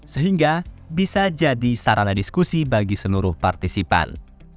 sehingga bisa jadi sarana diskusi bagi seluruh partisipan